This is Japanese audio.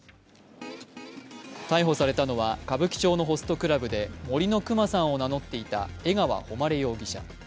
逮捕されたのは、歌舞伎町のホストクラブで森のくまさんを名乗っていた江川誉容疑者。